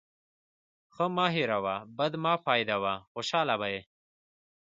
ښه مه هېروه، بد مه پیاده وه. خوشحاله به يې.